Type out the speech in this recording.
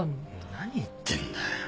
何言ってんだよ。